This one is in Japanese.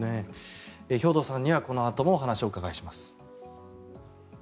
兵頭さんにはこのあともお話をお伺いします。